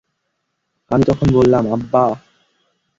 আমি তখন বললাম, আব্বা!